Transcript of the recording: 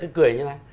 cái cười như thế này